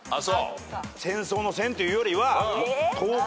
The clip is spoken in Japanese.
戦争の「戦」というよりは闘魂。